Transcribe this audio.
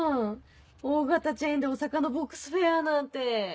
大型チェーンでお魚ボックスフェアなんて！